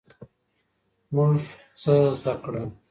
موږ څه زده کړل؟